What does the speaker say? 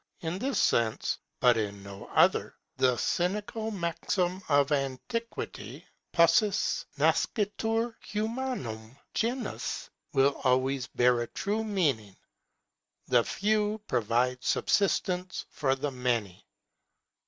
In this sense, but in no other, the cynical maxim of Antiquity, Paucis nascitur humanum genus, will always bear a true meaning. The few provide subsistence for the many.